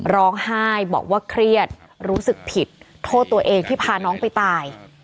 ร้องไห้บอกว่าเครียดรู้สึกผิดโทษตัวเองที่พาน้องไปตาย